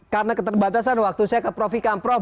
karena keterbatasan waktu saya ke prof ikam prof